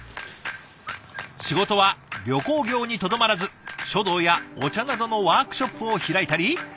仕事は旅行業にとどまらず書道やお茶などのワークショップを開いたり。